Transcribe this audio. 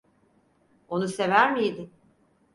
Onu sever miydin?